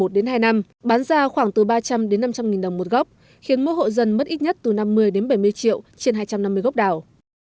một đến hai năm bán ra khoảng từ ba trăm linh đến năm trăm linh nghìn đồng một gốc khiến mỗi hộ dân mất ít nhất từ năm mươi đến bảy mươi triệu trên hai trăm năm mươi gốc đào